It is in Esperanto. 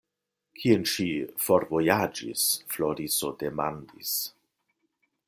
Kien ŝi forvojaĝis? Floriso demandis.